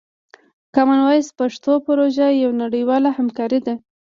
کامن وایس پښتو پروژه یوه نړیواله همکاري ده.